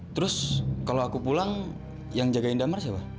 terus kalau aku pulang yang jagain damar siapa